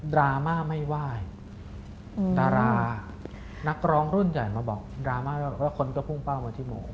ราม่าไม่ไหว้ดารานักร้องรุ่นใหญ่มาบอกดราม่าแล้วคนก็พุ่งเป้ามาที่โม